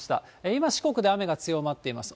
今、四国で雨が強まっています。